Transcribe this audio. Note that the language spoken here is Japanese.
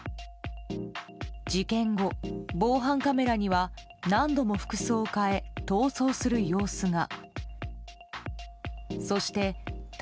事件後、防犯カメラには何度も服装を変え逃走する様子が。